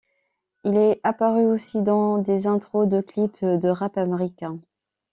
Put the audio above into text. Il est apparu aussi dans des intros de clip de rap americain.